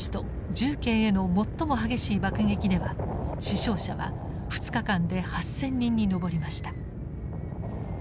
重慶への最も激しい爆撃では死傷者は２日間で８，０００人に上りました。